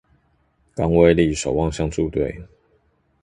港尾里守望相助隊